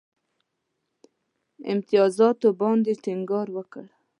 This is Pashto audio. امتیازاتو باندي ټینګار وکړ.